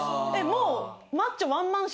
もう。